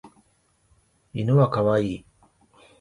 犬は可愛い。